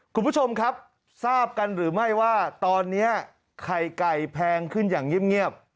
คุณผู้ชมครับทราบกันหรือไม่ว่าตอนนี้ไข่ไก่แพงขึ้นอย่างเงียบ